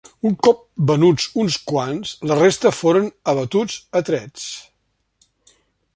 Un cop venuts uns quants la resta foren abatuts a trets.